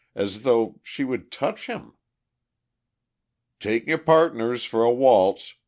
As though she would touch him!... "Take your pardners for a waltz!"